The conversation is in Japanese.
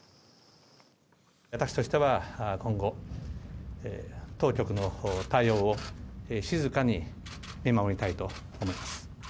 私としては今後、当局の対応を静かに見守りたいと思います。